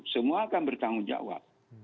semua akan bertanggung jawab